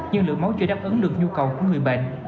nhưng lượng máu chưa đáp ứng được nhu cầu của người bệnh